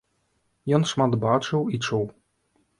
Ён шмат бачыў і чуў.